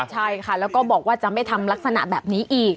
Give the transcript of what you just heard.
ใช่ค่ะแล้วก็บอกว่าจะไม่ทำลักษณะแบบนี้อีก